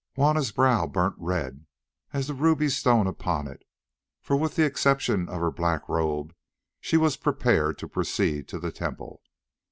Juanna's brow burnt red as the ruby stone upon it, for with the exception of her black robe she was prepared to proceed to the temple.